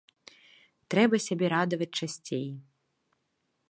Трэба сябе радаваць часцей.